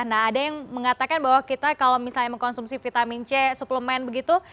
nah ada yang mengatakan bahwa kita kalau misalnya mengkonsumsi vitamin c suplemen begitu